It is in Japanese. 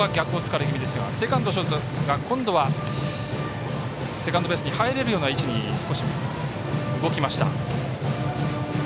セカンド、ショートが今度はセカンドベースに入れるような位置に少し、動きました。